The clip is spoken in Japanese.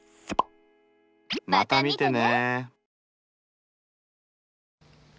また見てね。